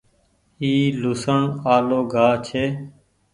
اي لهوسڻ آلو گآه ڇي۔